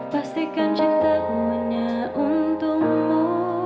pastikan cinta punya untungmu